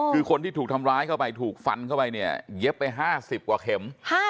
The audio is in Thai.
คือคนที่ถูกทำร้ายเข้าไปถูกฟันเข้าไปเนี่ยเย็บไป๕๐กว่าเข็ม